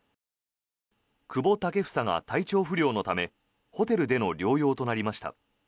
久保建英が体調不良のためホテルでの療養となりました。